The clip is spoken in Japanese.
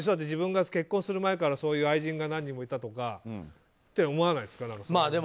自分が結婚する前から愛人が何人もいたとかって思わないですか。